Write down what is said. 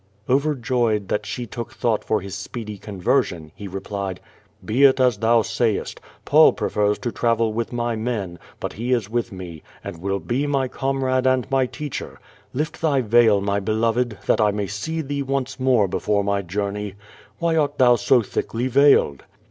Overjoyed that she took thought for his speedy conver sion, he replied: "Be it as thou say est! Paul prefers to travel with my men, but he is with me, and will be my comrade and my teacher. Lift thy veil, my beloved, that I may see thee once more be fore my journey. Why art thou so thickly veiled?"